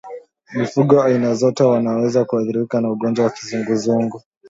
Mifugo aina zote wanaweza kuathirika na ugonjwa wa kizunguzungu